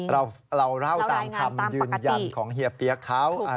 เราเล่าตามคำยืนยันของเฮียเปี๊ยกเขา